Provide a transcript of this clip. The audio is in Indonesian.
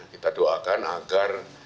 kita doakan agar